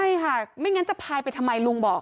ใช่ค่ะไม่งั้นจะพายไปทำไมลุงบอก